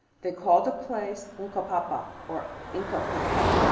They called the place Uncapampa, or Inca pampa.